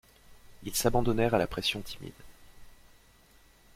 Ils s'abandonnèrent à la pression timide.